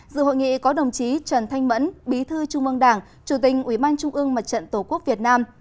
dự hội nghị có đồng chí trần thanh mẫn bí thư trung mương đảng chủ tình ubnd mặt trận tổ quốc việt nam